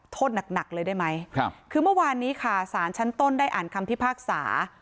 โทษหนักหนักเลยได้ไหมครับคือเมื่อวานนี้ค่ะสารชั้นต้นได้อ่านคำพิพากษา